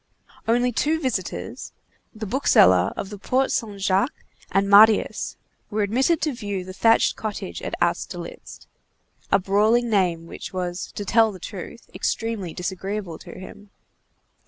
Only two visitors, the bookseller of the Porte Saint Jacques and Marius, were admitted to view the thatched cottage at Austerlitz, a brawling name which was, to tell the truth, extremely disagreeable to him.